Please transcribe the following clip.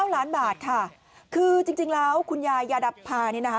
๑๙ล้านบาทค่ะคือจริงแล้วคุณยายยาดับภาพ